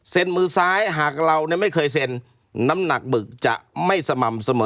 มือซ้ายหากเราไม่เคยเซ็นน้ำหนักบึกจะไม่สม่ำเสมอ